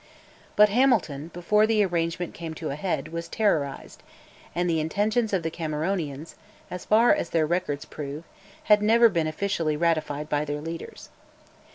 But Hamilton, before the arrangement came to a head, was terrorised, and the intentions of the Cameronians, as far as their records prove, had never been officially ratified by their leaders.